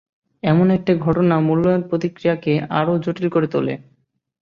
এমন ঘটনা মূল্যায়ন প্রক্রিয়াকে আরও জটিল করে তোলে।